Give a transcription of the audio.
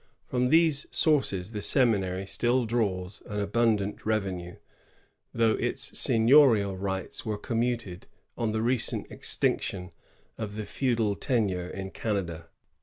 From these sources the seminary still draws an abundant revenue, though its seigniorial rights were commuted on the recent extinction of the feudal tenure in Canada.